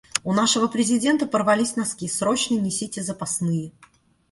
У нашего Президента порвались носки, срочно несите запасные!